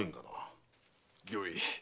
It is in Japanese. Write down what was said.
御意。